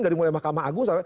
dari mulai mahkamah agung